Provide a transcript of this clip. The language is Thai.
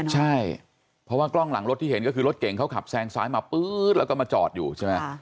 ใช่เพราะว่ากล้องหลังรถที่เห็นก็คือรถเก่งเขาขับแซงซ้ายมาปื๊ดแล้วก็มาจอดอยู่ใช่ไหม